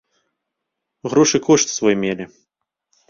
Грошы кошт свой мелі.